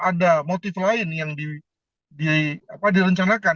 ada motif lain yang direncanakan